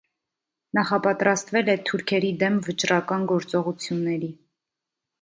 Նախապատրաստվել է թուրքերի դեմ վճռական գործողությունների։